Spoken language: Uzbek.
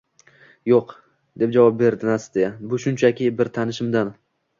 Yoʻq, – deb javob berdi Nastya. – Bu shunchaki… Bir tanishimdan…